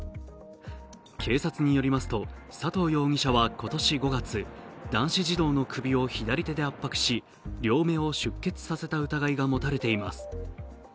警察によりますと、佐藤容疑者は今年５月、男子児童の首を左手で圧迫し、両目を出血させた疑いが持たれています。